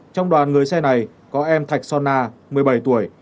trong đoàn người xe này có em thạch son na một mươi bảy tuổi